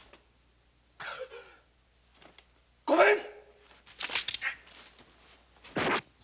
ごめん！